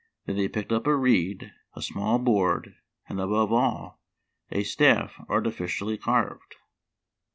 Then they picked up a reed, a small board, and above all, a staff artificially carved.